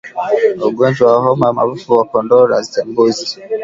Ugonjwa wa homa ya mapafu kwa kondoo na mbuzi